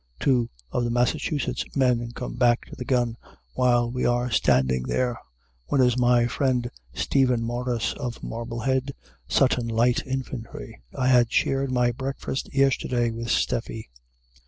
Two of the Massachusetts men come back to the gun while we are standing there. One is my friend Stephen Morris, of Marblehead, Sutton Light Infantry. I had shared my breakfast yesterday with Stephe.